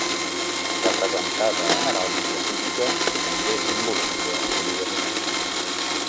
Representada en heràldica cívica, també simbolitza sobirania.